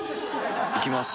「いきます」